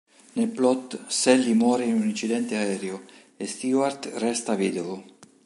Nel plot, Sally muore in un incidente aereo e Stewart resta vedovo.